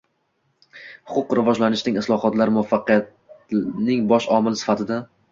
Huquq rivojlanishning, islohotlar muvaffaqiyatining bosh omili sifatida